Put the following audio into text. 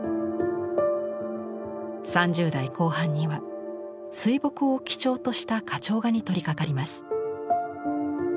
３０代後半には水墨を基調とした花鳥画に取りかかります。